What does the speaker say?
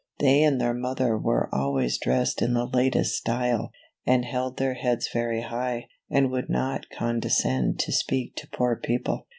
They and their mother were always dressed in the latest style, and held their heads very high, and would not condescend to speak to poor people.